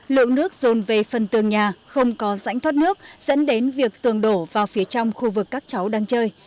lượng nước rồn về phần tường nhà không có rãnh thoát nước dẫn đến việc tường đổ vào phía trong khu vực các cháu đang chơi